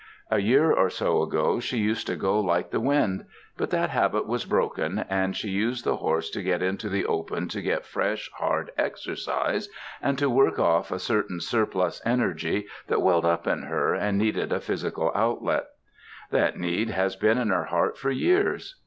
A year or so ago she used to go like the wind. But that habit was broken, and she used the horse to get into the open to get fresh, hard exercise, and to work off a certain surplus energy that welled up in her and needed a physical outlet. That need has been in her heart for years.